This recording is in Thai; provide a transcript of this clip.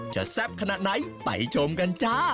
แซ่บขนาดไหนไปชมกันจ้า